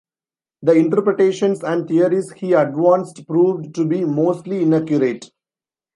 The interpretations and theories he advanced proved to be mostly inaccurate.